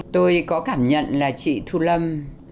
tôi có cảm nhận là chị thu lâm